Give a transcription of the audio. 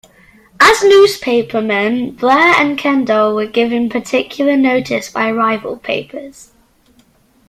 As newspapermen, Blair and Kendall were given particular notice by rival papers.